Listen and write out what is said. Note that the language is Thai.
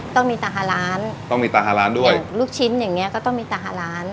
ต้องมีตาฮาร้านต้องมีตาฮาร้านด้วยลูกชิ้นอย่างเงี้ก็ต้องมีตาหาร้าน